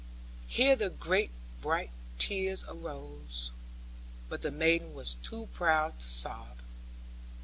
Here the great bright tears arose; but the maiden was too proud to sob.